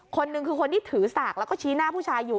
คนหนึ่งคือคนที่ถือสากแล้วก็ชี้หน้าผู้ชายอยู่